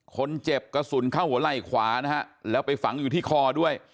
คนเจ็บกระสุนเข้าหัวไหล่ขวานะฮะแล้วไปฝังอยู่ที่คอด้วย